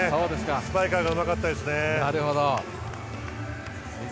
スパイカーがうまかったです。